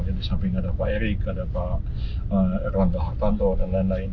yang disamping ada pak erick ada pak erlanda hartanto dan lain lain